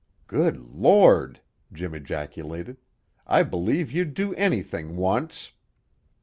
"Good Lord!" Jim ejaculated. "I believe you'd do anything once!"